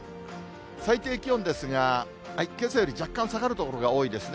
最低気温ですが、けさより若干下がる所が多いですね。